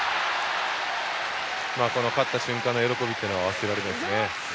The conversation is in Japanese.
勝った瞬間の喜びは忘れられないです。